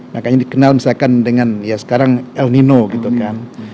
makanya dikenal misalkan dengan ya sekarang el nino gitu kan